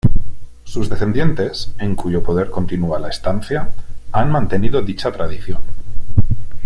Sus descendientes, en cuyo poder continúa la estancia, han mantenido dicha tradición.